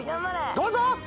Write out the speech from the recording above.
どうぞ！